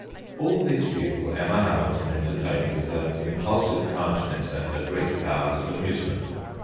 All these people Emma Hamilton enter tained with her impulsive kindness and her great powers of amusement.